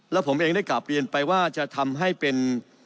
แล้วผมเองได้กลับเรียนไปว่าจะทำให้เป็น